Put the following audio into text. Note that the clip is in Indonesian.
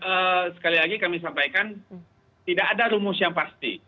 ya sekali lagi kami sampaikan tidak ada rumus yang pasti